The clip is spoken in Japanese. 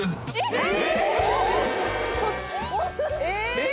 えっ！？